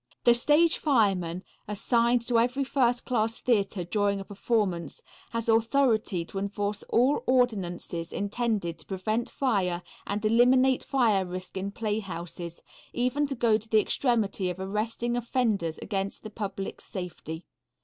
The stage fireman, assigned to every first class theatre during a performance, has authority to enforce all ordinances intended to prevent fire and eliminate fire risk in playhouses, even to go to the extremity of arresting offenders against the public's safety.